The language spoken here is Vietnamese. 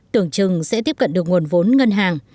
tưởng chừng sẽ tiếp cận được nguồn vốn ngân hàng